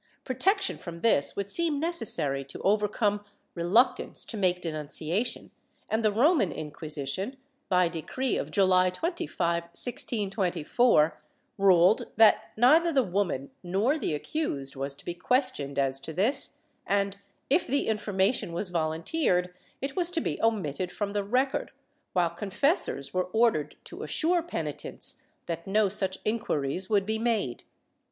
Protection from this would seem necessary to overcome reluctance to make denunciation, and the Roman Inc[uisition, by decree of July 25, 1624, ruled that neither the woman nor the accused was to be questioned as to this and, if the information was volunteered, it was to be omitted from the record, while confessors were ordered to assure penitents that no such inquiries would be made.